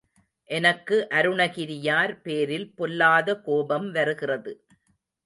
எனக்கு அருணகிரியார் பேரில் பொல்லாத் கோபம் வருகிறது.